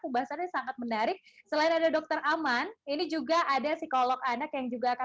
pembahasannya sangat menarik selain ada dokter aman ini juga ada psikolog anak yang juga akan